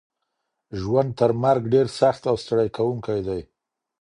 ژوند تر مرګ ډیر سخت او ستړی کوونکی دی.